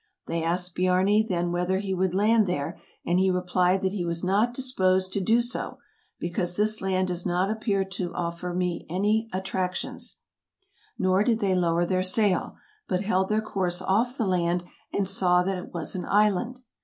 They asked Biarni then whether he would land there, and he replied that he was not disposed to do so, " because this land does not appear to me to offer any attractions. '' Nor did they lower their sail, but held their course off the land, and saw that it was an island.